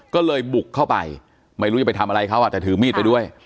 ก็เลยบุกเข้าไปไม่รู้จะไปทำอะไรเขาอ่ะแต่ถือมีดไปด้วย